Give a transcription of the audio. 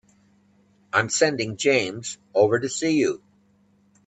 I'm sending James over to see you.